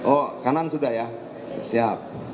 oh kanan sudah ya siap